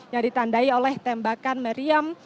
yang ditandai oleh tembakan meriam